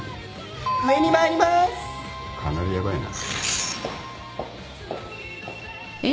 かなりヤバいな。